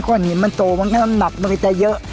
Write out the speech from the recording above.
ก้อนหินมันโตมันก็นับมันก็จะเยอะ